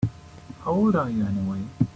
How old are you anyway?